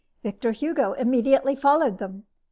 Victor Hugo immediately followed them.